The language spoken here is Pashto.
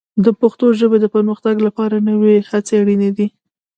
د پښتو ژبې د پرمختګ لپاره نوې هڅې اړینې دي.